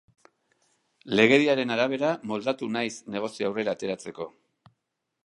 Legediaren arabera moldatu naiz negozioa aurrera ateratzeko.